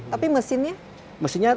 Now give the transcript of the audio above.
tapi mesinnya mesinnya